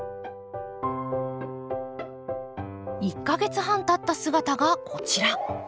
１か月半たった姿がこちら。